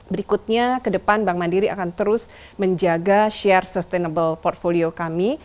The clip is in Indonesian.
berikutnya ke depan bank mandiri akan terus menjaga share sustainable portfolio kami